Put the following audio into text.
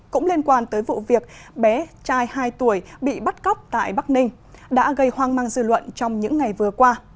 cũng liên quan tới vụ việc bé trai hai tuổi bị bắt cóc tại bắc ninh đã gây hoang mang dư luận trong những ngày vừa qua